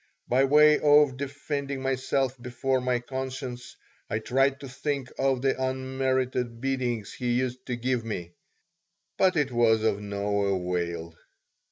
By way of defending myself before my conscience, I tried to think of the unmerited beatings he used to give me. But it was of no avail.